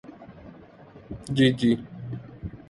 جی جی۔